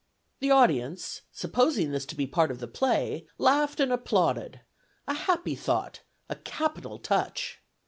The audience, supposing this to be part of the play, laughed and applauded: a happy thought! a capital touch!